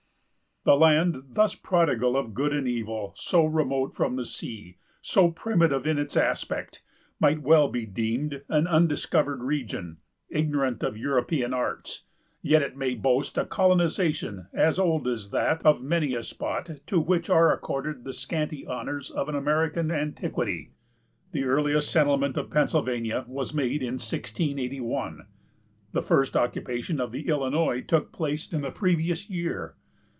The land thus prodigal of good and evil, so remote from the sea, so primitive in its aspect, might well be deemed an undiscovered region, ignorant of European arts; yet it may boast a colonization as old as that of many a spot to which are accorded the scanty honors of an American antiquity. The earliest settlement of Pennsylvania was made in 1681; the first occupation of the Illinois took place in the previous year.